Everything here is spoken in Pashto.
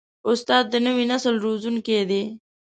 استاد د نوي نسل روزونکی دی.